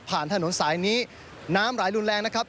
ถนนสายนี้น้ำไหลรุนแรงนะครับ